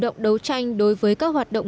đồng đấu tranh đối với các hoạt động